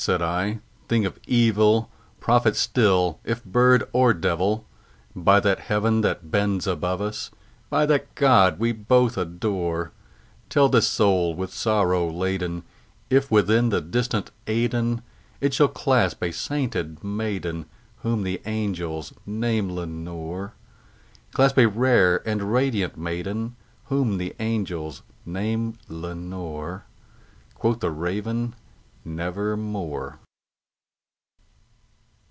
said I, "thing of evil! prophet still, if bird or devil! By that Heaven that bends above us by that God we both adore Tell this soul with sorrow laden if, within the distant Aidenn, It shall clasp a sainted maiden whom the angels name Lenore Clasp a rare and radiant maiden whom the angels name Lenore." Quoth the Raven, "Nevermore."